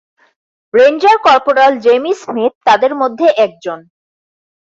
Ranger corporal Jamie Smith তাদের মধ্যে একজন।